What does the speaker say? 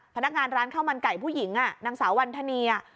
พนักงานร้านข้าวมันไก่ผู้หญิงนางสาววันธนี